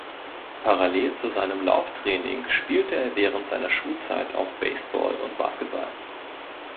Parallel zu seinem Lauftraining spielte er während seiner Schulzeit auch Baseball und Basketball.